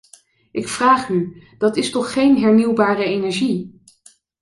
Ik vraag u: dat is toch geen hernieuwbare energie?